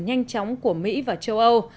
nhanh chóng của mỹ và châu âu